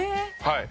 はい。